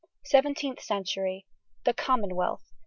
SEVENTEENTH CENTURY. THE COMMONWEALTH.